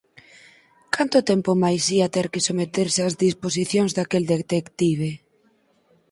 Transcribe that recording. Canto tempo máis ía ter que someterse ás disposicións daquel detective?